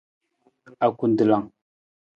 Akutelang.